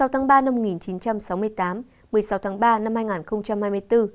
một mươi sáu tháng ba năm hai nghìn hai mươi